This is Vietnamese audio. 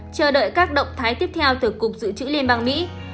chờ đợi các động thái tiếp theo từ cục dự trữ liên bang mỹ